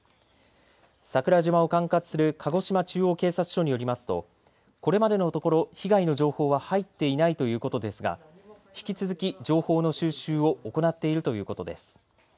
桜島を管轄する鹿児島中央警察署によりますとこれまでのところ被害の情報は入っていないということですが引き続き情報の収集を行っているということです。